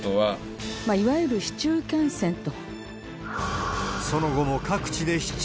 いわゆる市中感染と。